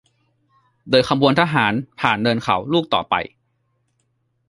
เดินขบวนทหารผ่านเนินเขาลูกต่อไป